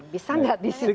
bisa tidak disiplin